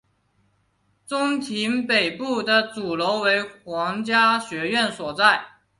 中庭北端的主楼为皇家学院所在。